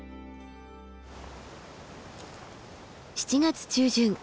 ７月中旬